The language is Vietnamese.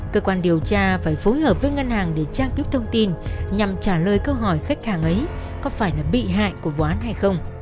cơ quan điều tra phải phối hợp với ngân hàng để trang cấp thông tin nhằm trả lời câu hỏi khách hàng ấy có phải là bị hại của vụ án hay không